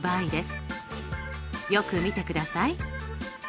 よく見てください。